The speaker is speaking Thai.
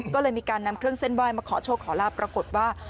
ก็เลยมีการนำเครื่องเส้นไหว้มาขอโชคขอลาบปรากฏว่า